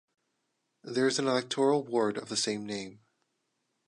There is an electoral ward of the same name.